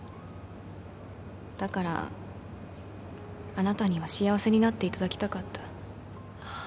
だからあなたには幸せになっていただきたかった。